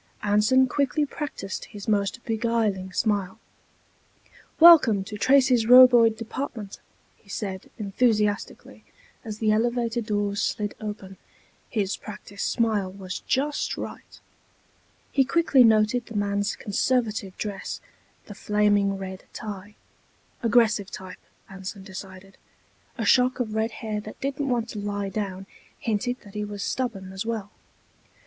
Anson quickly practiced his most beguiling smile. "Welcome to Tracy's Roboid Department," he said, enthusiastically, as the elevator doors slid open. His practiced smile was just right. He quickly noted the man's conservative dress, the flaming red tie. Aggressive type, Anson decided. A shock of red hair that didn't want to lie down hinted that he was stubborn as well.